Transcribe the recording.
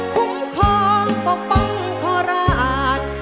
คุ้มครองปกป้องโคราช